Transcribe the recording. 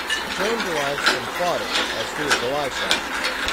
The term derives from fodder, as food for livestock.